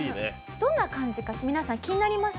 どんな感じか皆さん気になりますよね？